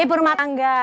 ibu rumah tangga